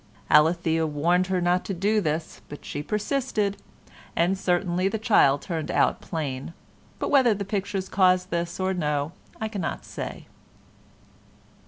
Alethea warned her not to do this, but she persisted, and certainly the child turned out plain, but whether the pictures caused this or no I cannot say.